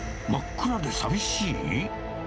真っ暗で寂しい？